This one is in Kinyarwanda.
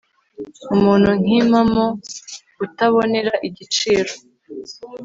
umuntu nki mpano utabonera igiciro